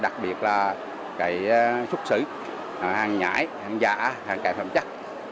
đặc biệt là cái xuất xứ hàng nhãi hàng giả hàng cải phẩm chắc